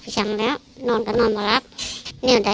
กินโทษส่องแล้วอย่างนี้ก็ได้